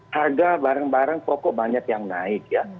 harga barang barang pokok banyak yang naik ya